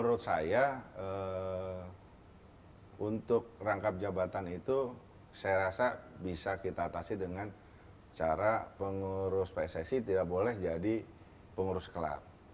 menurut saya untuk rangkap jabatan itu saya rasa bisa kita atasi dengan cara pengurus pssi tidak boleh jadi pengurus klub